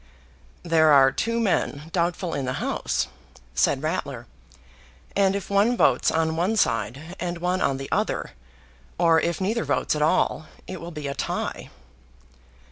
"There are two men doubtful in the House," said Ratler, "and if one votes on one side and one on the other, or if neither votes at all, it will be a tie."